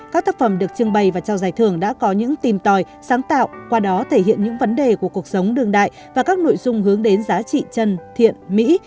các tác phẩm được trưng bày và trao giải thưởng đã có những tìm tòi sáng tạo qua đó thể hiện những vấn đề của cuộc sống đương đại và các nội dung hướng đến giá trị chân thiện mỹ